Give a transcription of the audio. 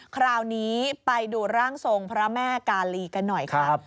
คราวนี้ไปดูร่างทรงพระแม่กาลีกันหน่อยครับ